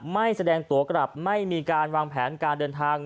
ไม่แสดงตัวกลับไม่มีการวางแผนการเดินทาง